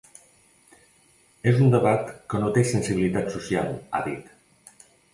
És un debat que no té sensibilitat social, ha dit.